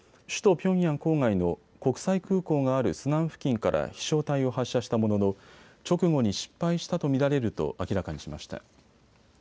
首都ピョンヤン郊外の国際空港があるスナン付近から飛しょう体を発射したものの直後に失敗したと見られると明らかにしました。